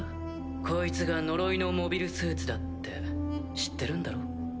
こいつが呪いのモビルスーツだって知ってるんだろ？